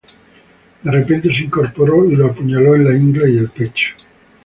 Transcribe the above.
De repente, se incorporó y lo apuñaló en la ingle y el pecho.